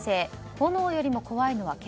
炎よりも怖いのは煙。